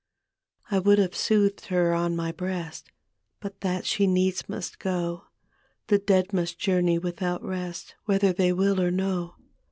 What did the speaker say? I would have soothed her on my breast But that she needs must go. The dead must journey without rest Whether they will or no.